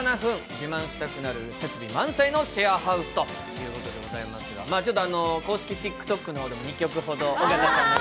自慢したくなる設備満載のシェアハウスというわけですけどちょっと公式ＴｉｋＴｏｋの方でも２曲ほど、尾形さんが。